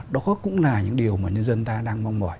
đó cũng là những điều mà nhân dân ta đang mong mỏi